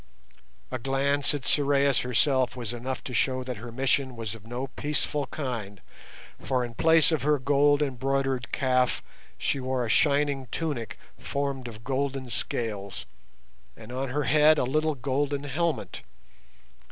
A glance at Sorais herself was enough to show that her mission was of no peaceful kind, for in place of her gold embroidered "kaf" she wore a shining tunic formed of golden scales, and on her head a little golden helmet.